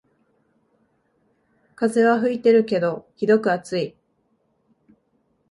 風は吹いてるけどひどく暑い